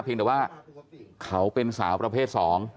เพียงแต่ว่าเขาเป็นสาวประเภทสอง